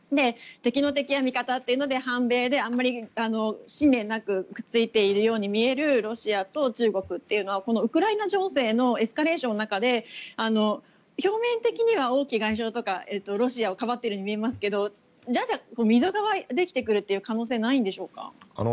敵の敵は味方というので反米であんまり使命なくくっついているように見えるロシアと中国というのはウクライナ情勢のエスカレーションの中で表面的には王毅外相とかロシアをかばっているように見えますけど溝ができてくるという可能性はないんでしょうか。